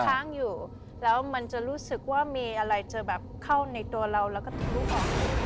ค้างอยู่แล้วมันจะรู้สึกว่ามีอะไรจะแบบเข้าในตัวเราแล้วก็ทะลุออก